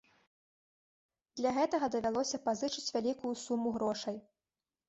Для гэтага давялося пазычыць вялікую суму грошай.